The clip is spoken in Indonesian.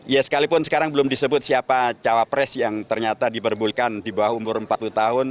ya sekalipun sekarang belum disebut siapa cawapres yang ternyata diperbulkan di bawah umur empat puluh tahun